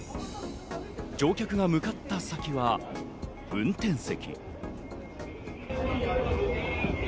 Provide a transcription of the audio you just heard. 乗客が向かった先は運転席。